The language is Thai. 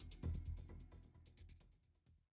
แล้วจากครั้งนี้นะครับใช่ครับจากทุกคนชะมัดนะครับ